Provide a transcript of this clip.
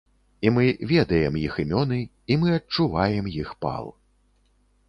І мы ведаем іх імёны, і мы адчуваем іх пал.